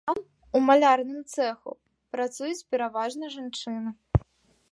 Там, у малярным цэху, працуюць пераважна жанчыны.